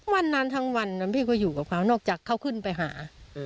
วันนั้นทั้งวันนั้นพี่ก็อยู่กับเขานอกจากเขาขึ้นไปหา